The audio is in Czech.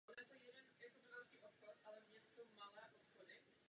Předsedal zvláštnímu výboru pro změnu zákona o Galileji a výboru pro drogové závislosti.